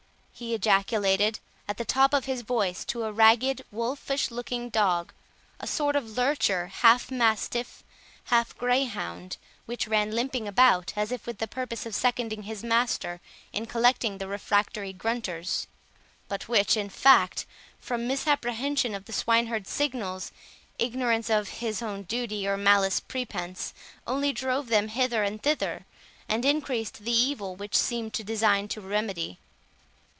he ejaculated at the top of his voice to a ragged wolfish looking dog, a sort of lurcher, half mastiff, half greyhound, which ran limping about as if with the purpose of seconding his master in collecting the refractory grunters; but which, in fact, from misapprehension of the swine herd's signals, ignorance of his own duty, or malice prepense, only drove them hither and thither, and increased the evil which he seemed to design to remedy.